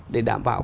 để đảm bảo